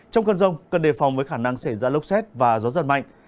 trong cơn rông cần đề phòng với khả năng xảy ra lốc xét và gió giật mạnh